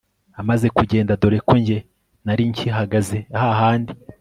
Amaze kugenda dore ko njye nari nkihagaze hahandi